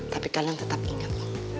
tapi kalian tetap ingat